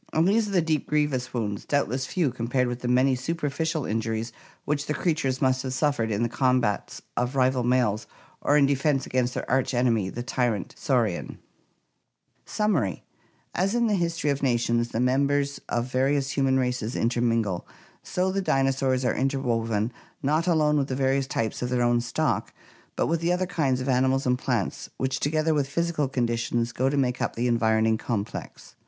And these are the deep and grievous wounds, doubtless few compared with the many superficial injuries which the creatures must have suffered in the combats of rival males or in defense against their arch enemy, the tyrant saurian. BEAKED DINOSAURS AND ORIGIN OF BIRDS 529 Summary As in the history of nations the members of various human races intermingle, so the dinosaurs are interwoven not alone with the various types of their own stock, but with the other kinds of an imals and plants which together with physical conditions go to make up the environing complex.